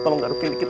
tolong garuknya dikit